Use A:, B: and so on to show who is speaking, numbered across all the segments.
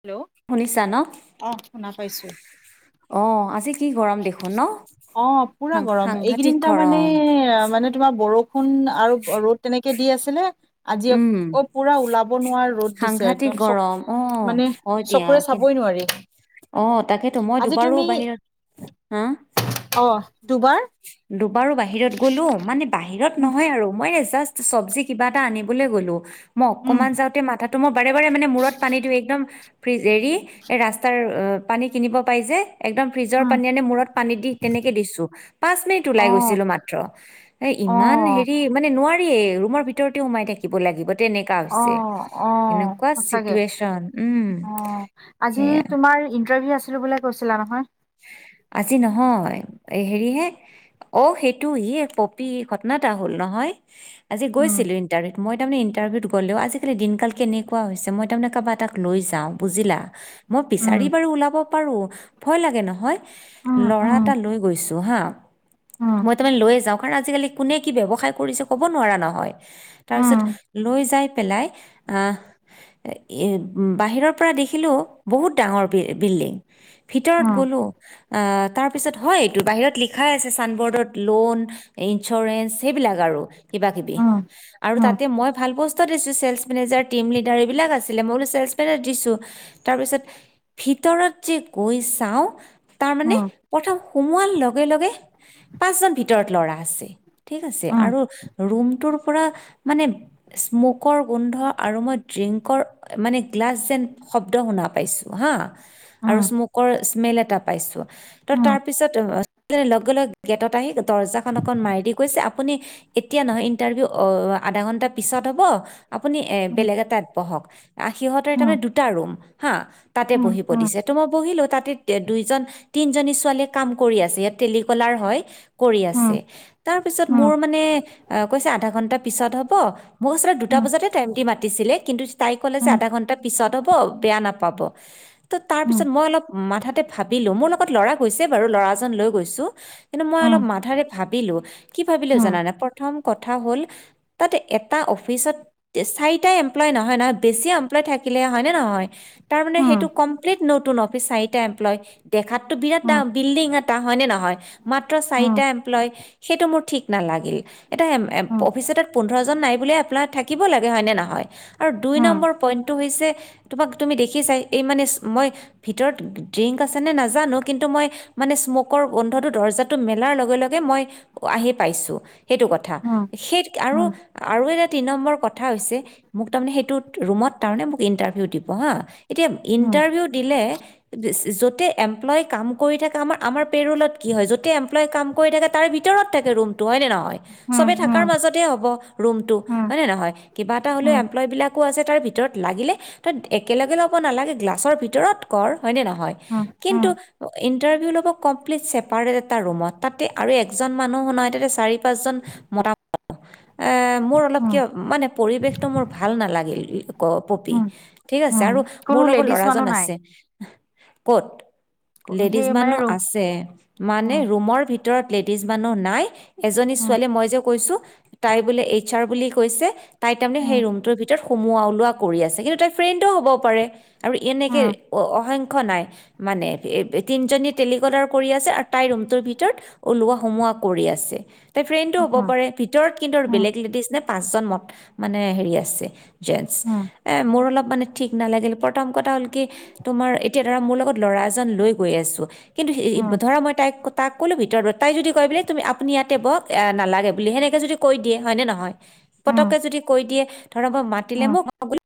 A: Hello
B: শুনিছা ন
A: অ শুনা পাইছোঁ।
B: অ, আজি কি গৰম দেখোন ন?
A: অ পুৰা
B: সাং
A: গৰম
B: সাংঘাতিক
A: এইকেইদিন তাৰমানে
B: গৰম
A: মানে তোমাৰ বৰষুণ আৰু ৰ'দ তেনে- কে দি আছিলে আজি
B: উম
A: আকৌ পুৰা ওলাব নোৱাৰ- ৰ'দ দিছে
B: সাংঘাতিক
A: চক
B: গৰম অ'
A: মানে
B: হয় দিয়া
A: চকুৰে চাবই নোৱাৰি।
B: অ তাকেতো মই
A: আজি
B: দুবাৰো
A: তুমি
B: বাহিৰত হা
A: অ দু-
B: দুবাৰো বাহিৰত গলো মানে বাহিৰত
A: উম
B: নহয় আৰু মই জাষ্ট চবজি কিবা এটা আনিবলে গলো, মই
A: উম
B: অকমান যাওঁতে মাথা বাৰে বাৰে মানে মূৰত পানীটো একদম ফ্ৰিজ এৰি ৰাস্তাৰ পানী কিনিব পাই যে। একদম ফ্ৰিজৰ
A: উম
B: পানী আনি মূৰত পানী দি তেনেকে দিছোঁ। পাছ মিনিট
A: অ
B: ওলাই গৈছিলোঁ মাত্ৰ, এ
A: অ
B: ইমান হেৰি মানে নোৱাৰি এ ৰুমৰ ভিতৰতে সোমাই থাকিব লাগিব। তেনেকা
A: অ
B: হৈছে
A: অ
B: এনেকুৱা
A: সঁচাকে
B: চিটুৱেচন উম
A: অ আজি
B: সেয়া।
A: তোমাৰ ইন্টাৰভিউ আছিলো বুলে কৈছিলা নহয়?
B: আজি নহয় এ হেৰিহে অ সেইটো সি এক পপি ঘটনা এটা হ'ল নহয় আজি
A: উম
B: গৈছিলো ইণ্টাৰভিউত মই তাৰমানে ইণ্টাৰভিউত গ'লেও আজিকালি দিনকাল কেনেকুৱা হৈছে মই তাৰমানে কাৰোবা এটাক লৈ যাওঁ বুজিলা। মই
A: উম
B: বিচাৰি বাৰু ওলাব পাৰোঁ ভয় লাগে নহয়।
A: উম
B: হে লৰা
A: উম
B: এটা লৈ গৈছো হা।
A: উম
B: মই তো মানে লৈয়ে যাওঁ কাৰণ আজিকালি কোনে কি ব্যৱসায় কৰিছে ক'ব ন নহয়। তাৰ
A: উম
B: পিছত লৈ যায় পেলাই আহ এ বাহিৰৰ পৰা দেখিলো বহুত ডাঙৰ বিল বিল্ডিং। ভিতৰত
A: উম
B: গলো আ তাৰ পিছত হয় এইটো বাহিৰত লিখাই আছে ছাইনবৰ্ডত লোন ইঞ্চুৰেঞ্চ সেইবিলাক। কাগাৰু কিবা কিবি
A: উম
B: আৰু
A: উম
B: তাতে মই ভাল বস্ত- ছেলচ মেনেজাৰ টিম লডাৰ এইবিলাক আছিলে মই বোলো ছেলচ মেনত দিছু তাৰ পিছত ভিত- ভিতৰত যে গৈ চাওঁ তাৰ মানে
A: উম
B: প্ৰথম সুমোৱাৰ লগে লগে পাঁচজন ভিতৰত লৰা আছে। ঠিক আছে
A: উম
B: আৰু ৰুমটোৰ পুৰা, মানে স্মকৰ গোন্ধ আৰু মই ড্ৰিংকৰ মানে গ্লাছ যেন শব্দ শুনা পাইছোঁ হা।
A: উম
B: আৰু স্মকৰ স্মেল এটা পাইছো, ত
A: উম
B: তাৰ পিছতে লগে লগে গেটত আহি দৰ্জাখন অকন মাৰি দি কৈছে, আপুনি এতিয়া নহয় ইন্টাৰভিউ অ আধা ঘন্টা পিছত ত হব, আপুনি এ বেলেগ এটাত বহক, আ সিঁহতে এটা মানে দুটা ৰুম হা, তাতে বহিব দিছে ত মই বহিলো তাতে দুইজন- তিনিজনী ছোৱালীয়ে কাম কৰি আছে ইয়াত টেলিকলাৰ হয় কৰি আছে তাৰপিছত মোৰ মানে অ কৈছে আধা ঘন্টা পিছত হব, মোক আচলতে দুটা বজাতে টাইম দি মাতিছিলে কিন্তু তাই কলে যে আধা ঘণ্টা পিছত হব বেয়া নাপাব, ত তাৰ পিছত মই অলপ মাথা তে ভাবিলো মোৰ লগত লৰা গৈছে বাৰু ল'ৰাজন লৈ গৈছো কিন্তু মই অলপ মাধাৰে ভাবিলো কি ভাবিলেও জানানে প্ৰথম কথা হ'ল তাতে এটা অফিচত চাৰিটা এমপ্লয় নহয় নহয় বেছি এমপ্লয় থাকিলে হয় নে নহয় তাৰমানে সেইটো কমপ্লিট নতুন অফিচ চাৰিটা এমপ্লয় দেখাতটো বিৰাট দাম বিল্ডিং এটা হয়নে নহয়, মাত্ৰ চাৰিটা এমপ্লয় সেইটো মোৰ ঠিক নালাগিল, এটা এ এ অফিচটাত পোন্ধৰজন নাই বুলি এমপ্লয় থাকিব লাগে হয় নে নহয়? আৰু দুই নম্বৰ পইণ্টটো হৈছে, তোমাক তুমি দেখি চাই এই মানে মই ভিতৰত ড্ৰিংক আছেনে নাজানো কিন্তু মই মানে স্ম'কৰ গোন্ধটো দৰ্জাটো মেলাৰ লগে লগে মই আহি পাইছোঁ সেইটো কথা, সেই আৰু আৰু এটা তিনি নম্বৰৰ কথা হৈছে, মোক তাৰমানে সেইটো ৰুমত তাৰমানে মোক ইণ্টাৰভিউ দিব হা এতিয়া ইণ্টাৰভিউ দিলে য'তে এমপ্লয় কাম কৰি থাকে আমাৰ আমাৰ পেৰুলত কি হয় য'তে এমপ্লয় কাম কৰি থাকে তাৰে ভিতৰত থাকে ৰুমটো হয়নে নহয়? চবে থকাৰ মাজতে হব ৰুমটো হয়নে নহয়? কিবা এটা হ'লেও এমপ্লয়বিলাকো আছে তাৰ ভিতৰত লাগিলে তাত একেলগে নালাগে গ্লাছৰ ভিতৰত কৰ হয় নে নহয়? কিন্তু ইণ্টাৰ্ভিউ লব কম্প্লিট চেপাৰেট এটা ৰুমত তাতে আৰু একজা ইমান মানু্হ নাই তাতে চাৰি পাঁচজন মতা এ মোৰ অলপকে মানে পৰিৱেশটো মোৰ ভাল নালাগিল, পপি ঠিক আ ছে আৰু মোৰ
A: কোনো
B: লগত
A: লেডিজ
B: ল'ৰাজন
A: মানুহ নাই
B: আছে ক'ত
A: কোন-
B: লেডিজ
A: সেই মানে
B: মানুহ
A: ৰুম
B: আছে মানে
A: উম
B: ৰুমৰ ভিত তৰত লেডিজ মানুহ নাই, এজনী
A: উম
B: ছোৱালীয়ে মই যে কৈছোঁ তাই বোলে এইচ আৰ বুলি কৈছে, তাই তাৰমানে
A: উম
B: সেই ৰুমটোৰ ভিতৰত সোমোৱা ওলোৱা কৰি আছে কিন্তু তাই ফ্ৰেণ্ডো হ'ব পাৰে আৰু এনেকে
A: উম
B: অ অসংখ্য নাই মানে তিনজনী টেলিকদাৰ কৰি আছে আৰু তাইৰ ৰুমটোৰ ভিতৰত ওলোৱা সোমোৱা কৰি আছে, তাৰ ফ্ৰেণ্ডো হব পাৰে ভিতৰত কিন্তু
A: উম
B: বেলেগ লেডিছ নে পাঁচজন মত, মানে হেৰি আছে জেণ্টচ,
A: উম
B: এ মোৰ অলপ মানে ঠিক নালাগিল প্ৰথম কথা হল কি তোমাৰ এতিয়া ধৰা মোৰ লগত ল'ৰা এজন লৈ গৈ আছো কিন্তু
A: উম
B: ধৰা মই তাইক তাক ক'লো ভিতৰত তাই যদি কয় বুলি তুমি আপুনি ইয়াতে ব নালাগে বুলি সেনেকে যদি কৈ দিয়ে হয় নে নহয়?
A: উম
B: পতকে যদি কৈ দিয়ে ধৰাব মাতিলে
A: উম
B: মোকলো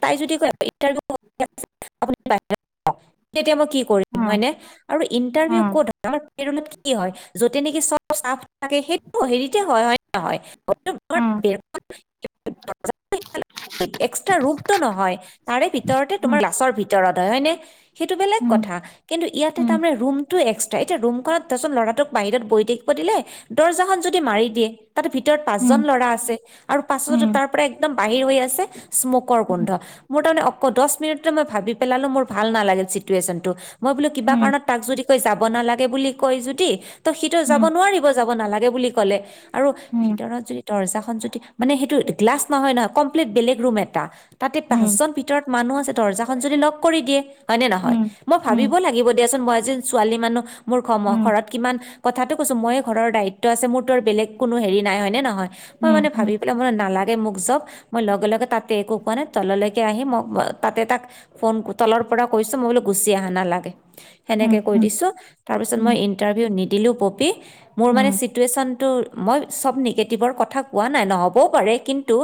B: [inaudible] তাই যদি কয় ইটাৰভিউ [inaudible] তেতিয়া মই কি কৰিম
A: উম
B: হয়নে? আৰু ইণ্টাৰভিউ
A: উম
B: ক'ত [inaudible] এইটোনোত কি হয়, য'তে নেকি চব চাফ থাকে সেইটো হেৰিতে হয় হয় নহয় [inaudible] [inaudible] এক্স্ৰা ৰূপ টো নহয় তাৰে ভিতৰতে
A: উম
B: তোমাৰ লাচৰ ভিতৰত হয় হয়নে? সেইটো বেলেগ
A: উম
B: কথা কিন্তু ইয়াতে
A: উম উম উম
B: তাৰমানে ৰুমটো এক্সট্ৰা, এতিয়া ৰুমখনত ধৰচোন ল'ৰাটোক বাহিৰত বৈ থাকিব দিলে, দৰ্জাখন যদি মাৰি দিয়ে তাৰ ভিতৰত পাঁচজন ল'ৰা আছে আৰু পাছতো তাৰ পৰা একদম বাহিৰ হৈ আছে স্মক কৰ
A: উম উম উম
B: গোন্ধ, মোৰ তাৰমানে অক দচ মিনিটতে মই ভাবি পেলালো মোৰ ভাল নালাগিল চিটুৱেচনটো। মই বোলো কিবা কাৰণত তাক যদি কৈ যাব নালাগে বুলি কৈ যদি, ত সিটো যাব নোৱাৰিব যাব নালা বুলি কলে আৰু
A: উম
B: ভিতৰত যদি দৰ্জাখন যদি মানে সেইটো গ্লাছ নহয় নহয় কমপ্লিট বেলেগ ৰুম এটা, তাতে পাঁচজন ভিতৰত মানুহ আছে দৰ্জাখন যদি লগ কৰি দিয়ে হয়নে নহয়, মই
A: উম উম উম উম
B: ভাবিব লাগিব দিয়াচোন মই এজনী ছোৱালী মানুহ মোৰ
A: উম
B: ঘৰত কিমান কথাটো কৈছো ময়ে ঘৰৰ দায়িত্ব আছে মোৰতো আৰু বেলেগ কোনো হেৰি নাই হয় নে নহয়। মই
A: উম
B: মানে
A: উম
B: ভাবি পেলাই মোই নালাগে মোক জব মই লগে লগে তাতে একো। মানে তললৈকে আহি মই তাতে তাক ফোন তলৰ পৰা কৈছো মই বোলো গুচি আহ নালাগে। সেনেকে কৈ দিছোঁ। তাৰপিছত মই ইণ্টাৰভিউ নিদিলোঁ পপী মোৰ মানে চিটুৱেশ্যনটো মই চব নিগেটিভৰ ক কোৱা নাই নহ'বও পাৰে কিন্তু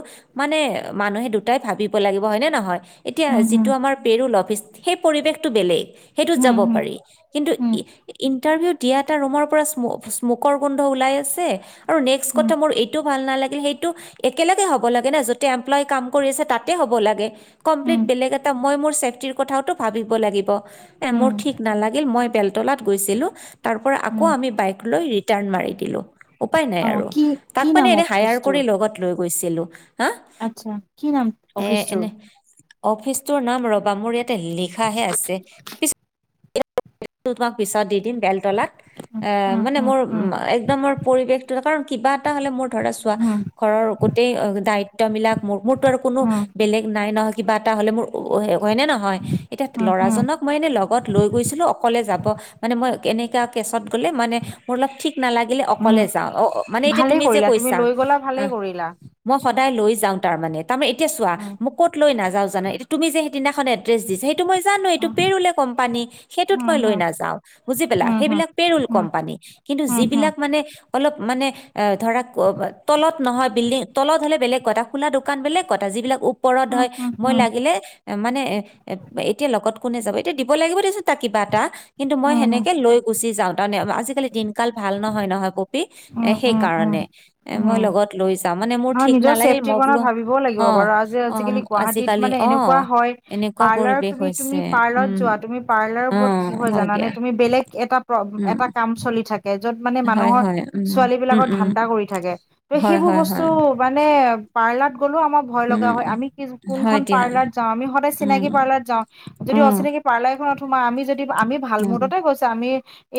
B: মানে মানুহে দুটা তই ভাবিব লাগিব হয় নে নহয়? এতিয়া যিটো আমাৰ পেৰোলত সেই পৰিৱেশটো বেলেগ সেইটোত যাব পাৰি কিন্ত ই -ইন্টাৰভিউ দিয়া এটা ৰুমৰ পৰা স্ম -স্মমকৰ গোন্ধ ওলাই আছে আৰু নেক্স কথা এইতো মোৰ ভাল নালাগিল সেইটো একে ইয়াতে হ'ব লাগে না য'তে এমপ্লই কাম কৰি আছে তাতে হ'ব লাগে কমপ্লিট বেলেগ এটা মই মোৰ ছেফটিৰ কথাওতো ভাবিব লাগিব। এ মোৰ ঠিক নালাগিল মই বেলতলাত গৈছিলো, তাৰপৰা আকৌ আমি বাইকলৈ ৰিটাৰ্ণ মাৰি দিলোঁ। উপায় নাই
A: অ
B: আৰু
A: কি
B: তাক
A: কি
B: মানে
A: নাম
B: এনে হায়াৰ
A: অফিচটোৰ
B: কৰি লগত লৈ গৈছিলোঁ হা
A: আচ্ছা কি নাম
B: এ
A: অফিচটোৰ?
B: এনে অফিচটোৰ নাম ৰবা মোৰ ইয়াতে লিখাহে আছে পিছ [inaudible] তোমাক পিছত দি দিম বেলতলাত। এ মানে মোৰ একদম মোৰ পৰিৱেশটো কাৰণ কিবা এটা হলে মোৰ ধৰা চোৱা ঘৰৰ গোটেই দায়িত্ববিলাক মোৰতো আৰু কোনো বেলেগ নাই নহ কিবা এটা হলে মোৰ হয়নে নহয় এতিয়া ল'ৰাজনক মই এনেই লগত লৈ গৈছিলো অকলে যাব। মানে মই এনেকা কেচত গলে মানে মোৰ অলপ ঠিক নালাগিলে অকলে যাওঁ অ। মানে এতিয়া
A: ভালেই
B: তুমি যে
A: কৰিলা
B: কৈছা,
A: লৈ গলা ভালেই
B: অহ
A: কৰিলা
B: মই সদায় লৈ যাওঁ তাৰ মানে তাৰ এতিয়া চোৱা
A: উম,
B: মোক ক' লৈ নাযাও জানা তুমি যে সেইদিনাখন এড্ৰেছ দিছা সটো মই জানো।
A: উম,
B: ফ্ৰী ৰুৰেল কোম্পানী সেইতোত
A: উম,
B: মই লৈ
A: উম,
B: নাযাওঁ বুজি পিলা।
A: উম, উম, উম,
B: বিলাক মানে অলপ মানে এ ধৰা তলত নহয় বিল্ডিং তলত হ'লে বেলেগ কথা। সেইবিলাক দোকান মানে বেলেগত যিবিলাক দোকান ওপৰত
A: উম,
B: হয়
A: উম, উম, উম,
B: মই
A: উম,
B: লাগিলে মানে এতিয়া লগত কোন। যাব এতিয়া দিব লাগিব দেচোন তাক কিবা এটা কিন্তু মই
A: উম, উম,
B: সেনেকে লৈ গুচি যাওঁ তামানে আজিকালি দিনকাল ভাল। নহয় নহয় পপী এ
A: উম,
B: সেই
A: উম,
B: কাৰণে এ মই লগত লৈযাওঁ।
A: অ নিজৰ চেফ্টি ক। ভাবিবও
B: অ
A: লাগিব বাৰু
B: অ
A: আজিকালি গুৱাহাটীত
B: আজিকালি
A: মানে
B: অ
A: এনেকুৱাও হয়
B: এনেকুৱা
A: পাৰ্লাৰত
B: পৰিৱেশ
A: তুমি
B: হৈছে
A: তুমি পাৰ্লাৰ।
B: উম
A: যোৱা তুমি পাৰ্লাৰ
B: অ
A: বোৰত কি হয় জানানে তুমি বেলেগ এটা
B: উম
A: এটা কাম চলি। থাকে য'ত মানে
B: হয়
A: মানুহৰ
B: হয় উম
A: ছোৱালী
B: উম
A: বিলাকৰ
B: উম
A: ধান্দা কৰি থাকে ত
B: হয়
A: সেইবোৰ
B: হয়
A: বস্তু।
B: হয়
A: তোমানে পাৰ্লাত। গ'লেও আমাৰ ভয় লগা হয়
B: উম
A: আমি
B: হয়
A: কোনখন
B: দিয়া
A: পাৰ্লাত যাও আমি সদায়
B: উম
A: চিনাকি পাৰ্লাৰ যাওঁ। যদি
B: উম
A: অচিনাকী পাৰ্লাৰ এখনত সোমাও আমি যদি আমি ভাল
B: উম
A: মুৰদতে গৈছো আমি।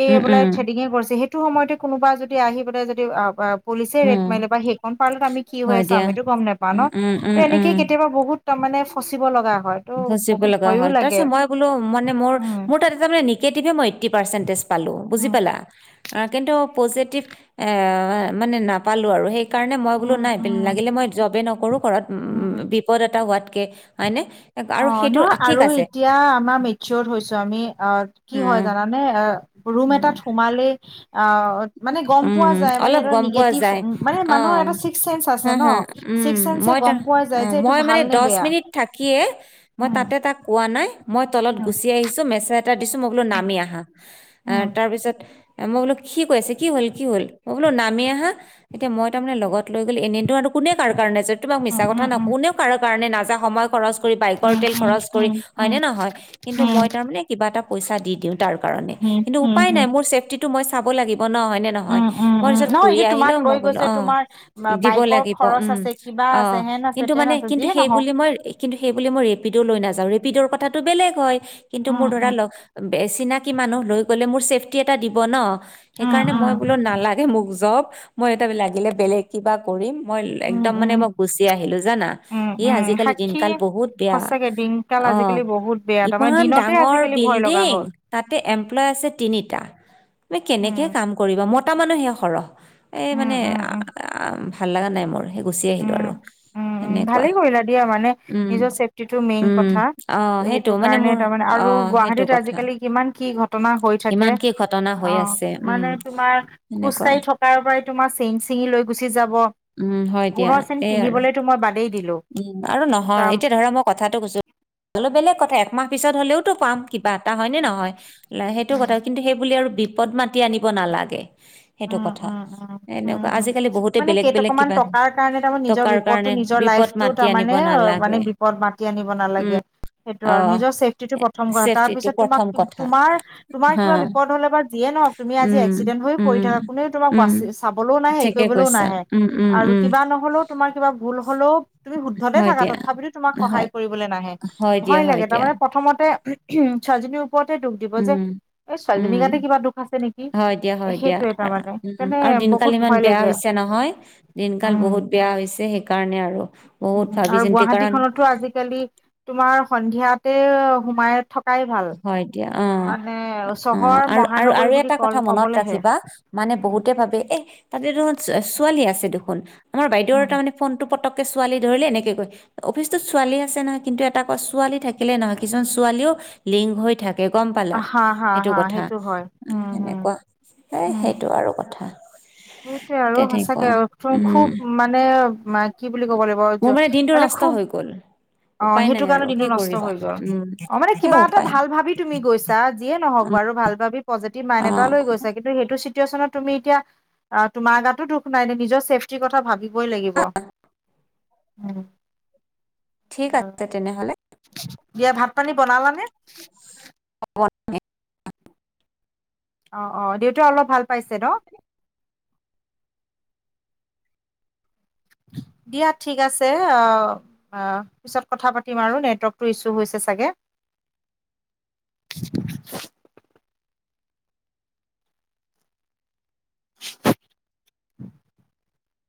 A: এই
B: উম
A: বোলে
B: উম
A: থ্ৰেডিঙে কৰিছে সেইটো সময়তে কোনোবা যদি আহি পোলাই যদি। পুলিছেই ৰেট
B: উম
A: মাৰিলে বা সেইখন পাৰ্লাত আমি কি হৈ
B: হয়
A: আছে
B: দিয়া
A: আমিতো গম নাপাও
B: উম
A: ন
B: উম
A: ত
B: উম
A: এনেকে
B: উম
A: কেতিয়াবা বহুত। বহুত তামানে ফচিব লগা। হয় ত'
B: ফচিব
A: বহুত
B: লগা
A: ভয়ো
B: হ'ল
A: লাগে
B: তাৰপিছত মই বোলো মানে মোৰ
A: উম
B: মোৰ তাততে তাৰ মানে। নিগেটিভে মই এইট্টি পাৰ্চেণ্টেজ পালো বুজি
A: উম
B: পালা। অ কিন্তু পজিটিভ এ মানে নাপালো আৰু সেই। সেইকাৰণে মই বোলো
A: উম
B: নাই
A: উম
B: লাগিলে মই জবেই নকৰোঁ ঘৰত
A: উম উম
B: বিপদ এটা হোৱাত। কে হয়নে। আৰু
A: অ
B: সেইটো
A: নহয়
B: ঠিক
A: আৰু
B: আছে
A: এতিয়া আমাৰ মেচিয়ত হৈছো আমি অ কি হয়
B: উম,
A: জানানে। ৰুম
B: উম,
A: এটাত সোমালে। অ মানে গম পোৱা
B: উম,
A: যায় মানে
B: অলপ
A: এটা
B: গম পোৱা
A: নিগেটিভ
B: যায়
A: মানে মানুহৰ
B: অঁ
A: এটা ছিক্স চেন্স।
B: হা হা উম
A: ছিক্স চেন্সে
B: মই
A: গম
B: তাৰ
A: পোৱা
B: অ
A: যায় যে এইটো
B: মই মানে
A: ভালনে
B: দহ
A: বেয়া।
B: মিনিট থাকিয়ে মই
A: উম
B: তাতে তাক কোৱা নাই মই তলত
A: উম
B: গুচি আহিছোঁ মেছেজ এটা দিছো মই বোলো
A: উম
B: নামি আহা। আহ তাৰপিছত। মই বোলো কি কৈছে কি হ'ল কি হ'ল মই বোলো নামি আহা এতিয়া মই তাৰমানে লগত লৈ গ'ল এনেইতো। কোনে কাৰ কাৰণে তোমাক মিছা কথা নকওঁ কোনে কাৰণে নাযা সময়। খৰছ কৰি বাইকৰ তেল খৰচ কৰি হয় নে নহয় কিন্তু মই তাৰমানে কিবা এটা পইচা দি দিওঁ। তাৰ কাৰণে কিন্তু উপায় নাই মোৰ চেফটিটো মই চাব লাগিব ন হয় নে নহয়। মই পিছত
A: নহয়
B: ঘূৰি
A: এতিয়া
B: আহিলো
A: তোমাক লৈ
B: মই বোলো
A: গৈছে
B: অ
A: তোমাৰ বা-
B: দিব
A: বাইকৰ
B: লাগিব
A: খৰচ
B: উম
A: আছে কিবা
B: অ
A: আছে হেন আছে
B: কিন্তু
A: তেন
B: মানে।
A: আছে
B: কিন্তু
A: যিয়ে
B: সেই
A: নহওক
B: বুলি মই কিন্তু সেই বুলি মই। ৰেপিড লৈ নেযাওঁ ৰেডৰ কথাটো বেলেগ হয় কিন্তু মোৰ
A: উম
B: ধৰা।
A: উম
B: চিনাকি মানুহ লৈ গ'লে মোৰ ছেফটি এটা দিব ন
A: উম
B: সেইকাৰণে মই
A: উম
B: বোলো নালাগে মোক জক। লাগিলে বেলেগ কিবা কৰিম মই
A: উম
B: একদম মানে
A: উম
B: মই গুচি আহিলো জানা
A: উম
B: ই
A: উম
B: আজিকালি দিন।
A: সাক্ষী
B: কাল বহুত বেয়া
A: সঁচাকে দিনকাল
B: অ
A: আজিকালি বহুত বেয়া তাৰমানে
B: ইমান
A: দিনতে
B: ডাঙৰ
A: আজিকালি ভয় লগা
B: বিল্ডিং
A: হ'ল
B: তাতে।
A: উম
B: এমপ্লয় আছে তিনিটা। তুমি কেনেকে
A: উম
B: কাম কৰিবা মতা মানুহে সৰহ এ
A: উম
B: মানে।
A: উম উম
B: ভাল লগা নাই মোৰ সেই গুচি আহিলো আৰু।
A: উ
B: সেনেকুৱা
A: ভালে কৰিলা দিয়া মানে
B: উম
A: নিজৰ ছেফটিটো মেইন
B: উম
A: কথা
B: অ
A: সেইটো
B: মানে
A: কাৰণে
B: মোৰ
A: তাৰমানে
B: অ
A: আৰু।
B: সেইটো
A: গুৱাহাটীত
B: কথা
A: আজিকালি কিমান কি ঘটনা হৈ থাকে।
B: কিমান কি ঘটনা
A: অ
B: হৈ আছে উম
A: মানে তোমাৰ খোজ
B: সেনেকুৱা
A: কঢ়ি থকাৰ পৰাই তোমাৰ চেইন চিঙি লৈ গুচি যায়।
B: উম হয় দিয়া। এই আৰু
A: পিন্ধিবলৈতো মই বাদেই দিলো।
B: উম আৰু নহয় এতিয়া ধৰা মই কথাটো কৈছো অলপ বেলেগ কথা একমাহ পিছত হ'লেও। পাম কিবা এটা হয় নে নহয় সেইটো
A: উম,
B: কথা কিন্তু সেইবুলিয়ে আৰু বিপদ মাতি আনিব নালাগে। সেইটো
A: উম,
B: কথা।
A: উম, উম, উম,
B: এনেকুৱা
A: হম।
B: আজিকালি বহুতে
A: মানে
B: বেলেগ বেলেগ
A: কেইটকামান
B: কিবা
A: টকাৰ
B: টকাৰ কাৰণে বিপদ।
A: টো
B: মাতি
A: তাৰমানে
B: আনিব
A: অ মানে
B: নালাগে
A: বিপদ মাতি আনিব নালাগে।
B: উম
A: সেইটো আৰু
B: অ
A: নিজৰ ছেফটিটো প্ৰথম কৰা তাৰ
B: ছেফটিটো
A: পিছত তোমাক
B: প্ৰথম কথা
A: তোমাৰ তোমাৰ
B: হা
A: কিবা বিপদ হলে বা যিয়ে। ন তুমি আজি
B: উম
A: এক্সিডেণ্ট হৈয়ো পৰি
B: উম
A: থাকা কোনে তোমাক বা
B: উম
A: চাবলৈও নাহ হেৰি
B: ঠিকে
A: কৰিবলৈও
B: কৈছা
A: নাহে।
B: উম উম
A: আৰু
B: উম
A: কিবা নহলেও তোমাৰ কিবা ভুল হলেও। তুমি শুদ্ধতে
B: হয়
A: থাকা
B: দিয়া
A: তথাপিতো তোমাক সহায়
B: হয়
A: কৰিবলৈ নাহে
B: হয় দিয়া
A: ভয়
B: হয়
A: লাগে
B: দিয়া
A: তাৰমানে প্ৰথমতে ছোৱালীজনী। পৰতে দুখ দিব যে
B: উম
A: এই
B: উম
A: ছোৱালীজনীক গাতে কিবা দুখ আছে নেকি?
B: হয় দিয়া। হয় দিয়া
A: সেইটোৱেই তাৰ
B: আ-
A: মানে
B: উম আৰু দিনকাল ইমান বেয়া হৈছে নহয় দিনকাল
A: উম
B: বহুত বেয়া হৈছে সেইকাৰণে আৰু বহুত ভাবি
A: আৰু
B: চিন্তি
A: গুৱাহাটী
B: কাৰণ
A: খনতো আজিকালি তোমাৰ সন্ধিয়াতে সোমাই থকা।
B: হয় দিয়া অ অ
A: চহৰ
B: আৰু আৰু
A: মহানগৰী
B: আৰু
A: বুলি
B: এটা
A: ক
B: কথা মনত
A: কবলেহে
B: ৰাখিবা। মানে বহুতে ভাবে এ তাতে দেখোন ছোৱালী আছে দেখোন আমাৰ বাইদেউৰ
A: উম
B: তাৰমানে ফোনটো পট ছোৱালী ধৰিলে এনেকে কৈ অফিচটোত ছোৱালী আছে নহয় কিন্তু এটা কয় ছোৱালী থাকিলে নহয় কিছুমান ছোৱালীও। লিংক হৈ থাকে গম পালা
A: হা হা
B: সেইটো
A: হা
B: কথা
A: হয় উম হম
B: সেনেকুৱা এ সেইটো আৰু কথা।
A: সেইটোয়ে আৰু
B: তেনেকুৱা
A: সঁচাকে
B: উম
A: খুব মানে। কি বুলি ক'ব লাগিব
B: মোৰ দিনটো
A: মানে
B: নষ্ট
A: খুব।
B: হৈ গ'ল
A: অ
B: উপায় নাই
A: সেইটো কাৰণে
B: আৰু কি
A: দিনটো নষ্ট
B: কৰিবা
A: হৈ গল
B: উম
A: অ মানে
B: এ
A: কিবা এটা
B: উপায় নাই
A: ভাল ভাবি তুমি গৈছা যিয়ে নহওঁক
B: উম,
A: বাৰু ভাল ভাবি পজিতিভ মাইন্দ
B: অ
A: এটা লৈ গৈছা কিন্তু সেইটো চিটুৱেচন তুমি এতিয়া অ তোমাৰ গাতো দুখ নাই নিজৰ ছেফটিৰ কথা ভাবিবই লাগিব। উম।
B: ঠিক আছে তেনেহ'লে।
A: দিয়া ভাত পানী বনালানে।
B: বনে [unintelligible]
A: অ অ দেউতাই অলপ ভাল পাইছে ন।
B: [inaudible]
A: দিয়া ঠিক আছে পিছত কথা পাতিম আৰু নেটৱৰ্কটো ইছ্যু হৈছে চাগে।
B: [inaudible]
A: [inaudible] [inaudible]